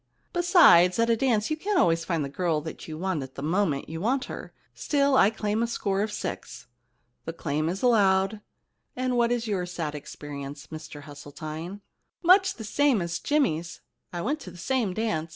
Besides, at a dance you can't always find the girl you want at the moment you want her. Still, I claim a score of six.' * The claim is allowed. And what was your sad experience, Mr Hesseltine ?Much the same as Jimmy's. I went to the same dance.